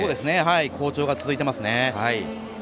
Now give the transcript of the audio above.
好調が続いてますね。